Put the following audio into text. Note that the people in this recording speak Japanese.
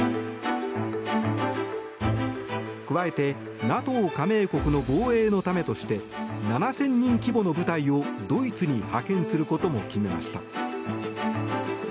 加えて、ＮＡＴＯ加盟国の防衛のためとして７０００人規模の部隊をドイツに派遣することも決めました。